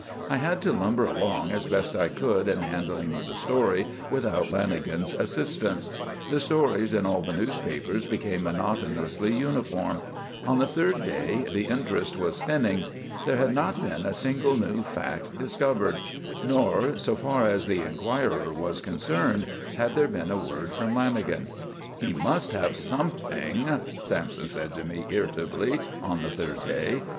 I had to lumber along as best I could in handling the story without Lanagan's assistance. The stories in all of the papers became monotonously uniform. On the third day the interest was thinning. There had not been a single new fact discovered; nor, so far as the Enquirer was concerned, had there been a word from Lanagan. "He must have something," Sampson said to me irritably on the third day.